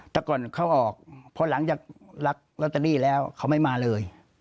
ตะกอนเข้าออกเพราะหลังจากลักรถทรีย์แล้วเขาไม่มาเลย